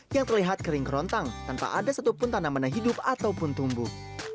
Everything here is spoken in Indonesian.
yang terlihat kering kerontang tanpa ada satupun tanaman yang hidup ataupun tumbuh